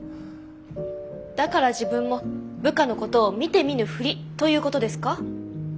だから自分も部下のことを見て見ぬふりということですか？